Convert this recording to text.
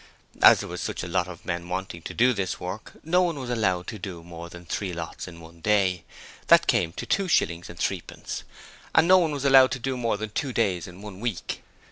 As there were such a lot of men wanting to do this work, no one was allowed to do more than three lots in one day that came to two shillings and threepence and no one was allowed to do more than two days in one week.